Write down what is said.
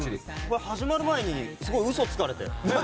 始まる前にすごい嘘つかれて。